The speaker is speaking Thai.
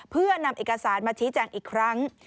เพื่อนำเอกสารมาชี้แจงอีกครั้ง